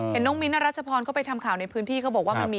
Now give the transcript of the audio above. เบคอนมันดูน่ากินไปหน่อยไหม